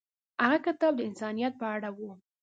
هغه کتاب د انسانیت په اړه و.